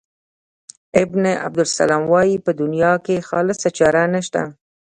ابن عبدالسلام وايي په دنیا کې خالصه چاره نشته.